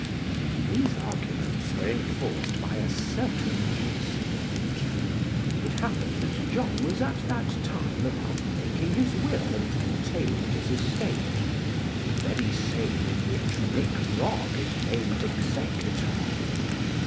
These arguments were enforced by a certain incident. It happened that John was at that time about making his will and entailing his estate, the very same in which Nic. Frog is named executor.